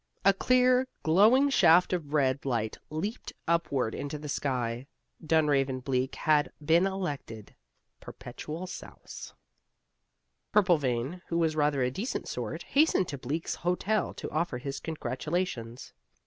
A clear, glowing shaft of red light leaped upward into the sky. Dunraven Bleak had been elected Perpetual Souse. Purplevein, who was rather a decent sort, hastened to Bleak's hotel to offer his congratulations.